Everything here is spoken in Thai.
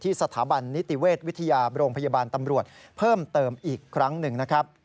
สถาบันนิติเวชวิทยาโรงพยาบาลตำรวจเพิ่มเติมอีกครั้งหนึ่งนะครับ